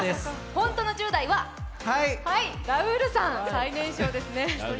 本当の１０代はラウールさん最年少ですね。